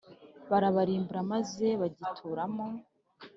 barabarimbura maze bagituramo+